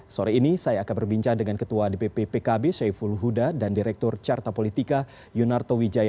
sore ini saya akan berbincang dengan ketua dpp pkb syaiful huda dan direktur carta politika yunarto wijaya